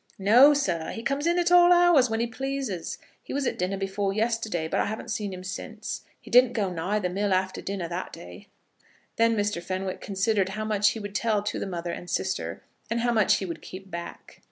"No, sir. He comes in at all hours, when he pleases. He was at dinner before yesterday, but I haven't seen him since. He didn't go nigh the mill after dinner that day." Then Mr. Fenwick considered how much he would tell to the mother and sister, and how much he would keep back.